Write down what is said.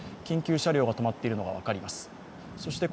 緊急車両が止まっているのが分かります。